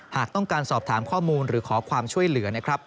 หากต้องการสอบถามข้อมูลหรือขอความช่วยเหลือนะครับ